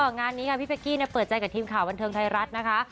งานนี้ค่ะพี่เป๊กกี้เปิดใจกับทีมข่าวบันเทิงไทยรัฐนะคะ